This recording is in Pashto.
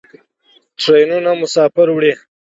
ټرینونه مسافر وړي.